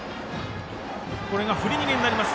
これが振り逃げになります。